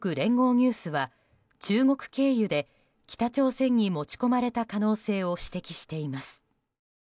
ニュースは中国経由で北朝鮮に持ち込まれた可能性を指摘しています。